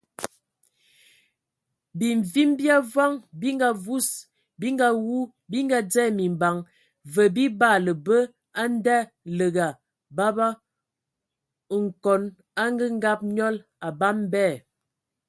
Bimvum bi avɔŋ bi ngavus, bi ngawu, bi ngadzɛ mimbaŋ və bi baala bə ndaləga baba(kon angəngab nẏɔl, abam bɛ).